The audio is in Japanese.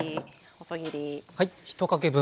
細切り。